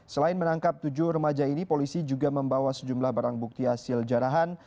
selain menangkap tujuh remaja ini polisi juga membawa sejumlah barang bukti hasil jarahan